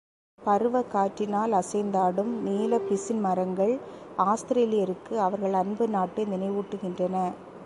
பருவக் காற்றினால் அசைந்தாடும் நீலப் பிசின்மரங்கள் ஆஸ்திரேலியருக்கு அவர்கள் அன்பு நாட்டை நினைவூட்டுகின்றன.